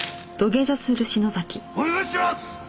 お願いします！